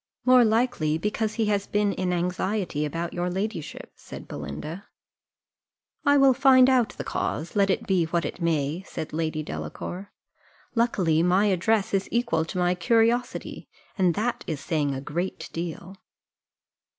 "More likely because he has been in anxiety about your ladyship," said Belinda. "I will find out the cause, let it be what it may," said Lady Delacour: "luckily my address is equal to my curiosity, and that is saying a great deal."